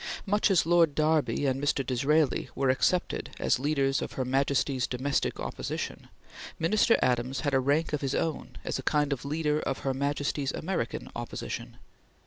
Much as Lord Derby and Mr. Disraeli were accepted as leaders of Her Majesty's domestic Opposition, Minister Adams had a rank of his own as a kind of leader of Her Majesty's American Opposition.